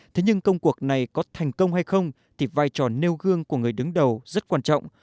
thế nhưng công cuộc này có thành công hay không thì vai trò nêu gương của người đứng đầu rất quan trọng